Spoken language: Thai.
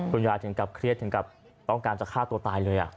คุณยายถึงกลับเครียดถึงกลับต้องการจะฆ่าตัวตายเลยอะ